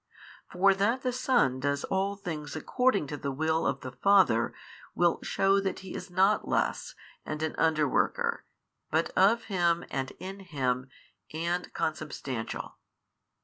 For that the Son does all things according to the Will of the Father will shew that He is not less and an under worker, but of Him and in Him and Consubstantial.